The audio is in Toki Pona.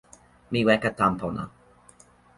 mi weka tan pona.